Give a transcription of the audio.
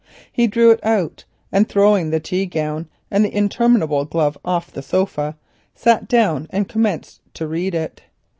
He drew it out, and throwing the tea gown and the interminable glove off the sofa, sat down and began to read it.